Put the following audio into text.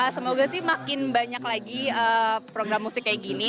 semoga sih makin banyak lagi program musik kayak gini